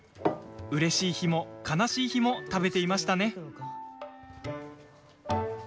うれしい日も悲しい日も食べていましたね。